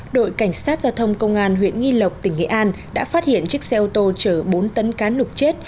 đội cảnh sát giao thông công an huyện nghi lộc tỉnh nghệ an đã phát hiện chiếc xe ô tô chở bốn tấn cá nục chết